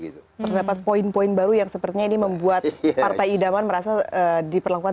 terdapat poin poin baru yang sepertinya ini membuat partai idaman merasa diperlakukan